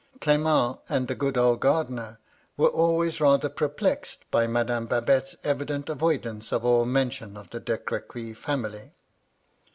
" Clement and the good old gardener were always rather perplexed by Madame Babette's evident avoid ance of all mention of the De Crequy family.